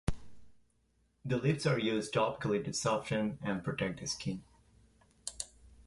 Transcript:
The leaves are used topically to soften and protect the skin.